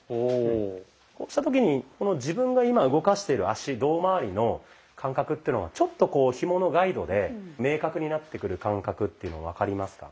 こうした時に自分が今動かしてる足胴まわりの感覚っていうのがちょっとひものガイドで明確になってくる感覚っていうの分かりますか？